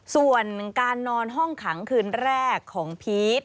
ส่วนการนอนห้องขังคืนแรกของพีช